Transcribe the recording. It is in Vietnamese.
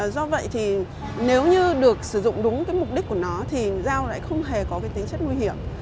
do vậy nếu được sử dụng đúng mục đích của nó thì dao lại không hề có tính chất nguy hiểm